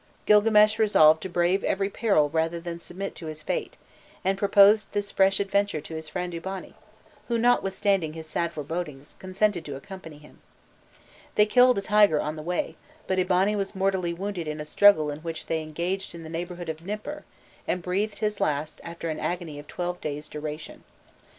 Gilgames resolved to brave every peril rather than submit to his fate, and proposed this fresh adventure to his friend Eabani, who, notwithstanding his sad forebodings, consented to accompany him. They killed a tiger on the way, but Eabani was mortally wounded in a struggle in which they engaged in the neighbourhood of Nipur, and breathed his last after an agony of twelve days' duration.